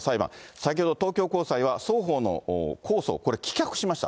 先ほど東京高裁は、双方の控訴をこれ、棄却しました。